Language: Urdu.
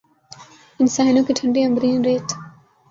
ان ساحلوں کی ٹھنڈی عنبرین ریت